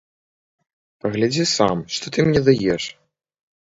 Паглядзі сам, што ты мне даеш!